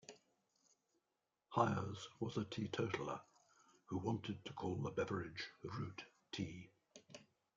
Hires was a teetotaler who wanted to call the beverage "root tea".